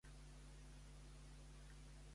Qui volen com a president els socialistes?